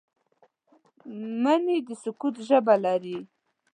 مني د سکوت ژبه لري